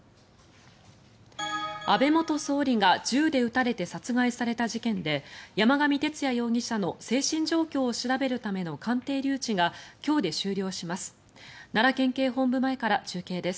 安倍元総理が銃で撃たれて殺害された事件で山上徹也容疑者の精神状況を調べるための鑑定留置が今日で終了します。